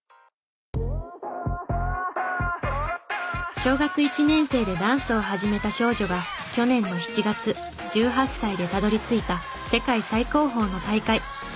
小学１年生でダンスを始めた少女が去年の７月１８歳でたどり着いた世界最高峰の大会。